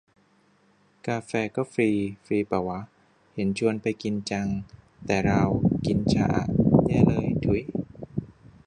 กาแฟก็ฟรี ฟรีปะวะ เห็นชวนไปกินจัง แต่เรากินชาอะ แย่เลย ถุย